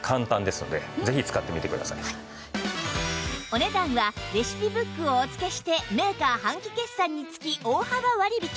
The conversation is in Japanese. お値段はレシピブックをお付けしてメーカー半期決済につき大幅割引！